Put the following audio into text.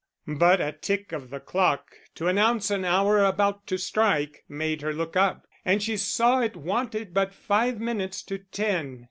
But a tick of the clock to announce an hour about to strike made her look up, and she saw it wanted but five minutes to ten.